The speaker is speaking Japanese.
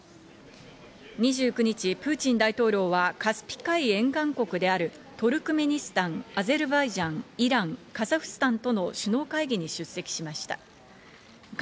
２９日、プーチン大統領はカスピ海沿岸国であるトルクメニスタン、アゼルバイジャン、イラン、カザフスタンとの首脳会議に出席しました。